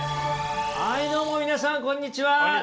はいどうも皆さんこんにちは。